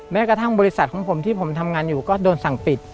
แม้กระทั่งบริษัทของผมที่ผมทำงานอยู่ก็โดนสั่งปิด